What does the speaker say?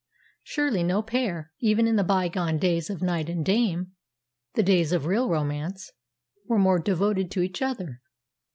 Surely no pair, even in the bygone days of knight and dame, the days of real romance, were more devoted to each other.